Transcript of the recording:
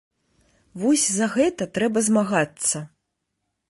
Вось за гэта трэба змагацца.